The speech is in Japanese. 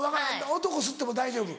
男吸っても大丈夫？